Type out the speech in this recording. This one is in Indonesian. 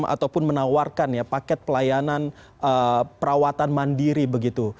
ataupun menawarkan ya paket pelayanan perawatan mandiri begitu